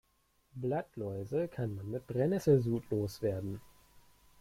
Blattläuse kann man mit Brennesselsud loswerden.